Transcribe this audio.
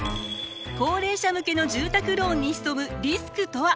高齢者向けの住宅ローンに潜むリスクとは？